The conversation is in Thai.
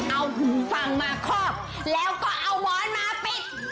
เอาหูฟังมาคอบแล้วก็เอาวอนมาปิด